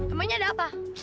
emangnya ada apa